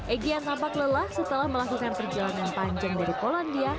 egyan tampak lelah setelah melakukan perjalanan panjang dari polandia